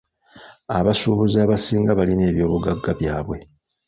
Abasuubuzi abasinga balina ebyobugagga byabwe.